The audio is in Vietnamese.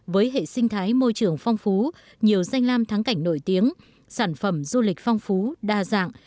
với hệ sinh thái môi trường phong phú nhiều danh lam thắng cảnh nổi tiếng sản phẩm du lịch phong phú đa dạng